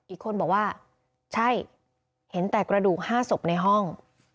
อีกคนบอกว่าใช่เห็นแต่กระดูก๕ศพในห้อง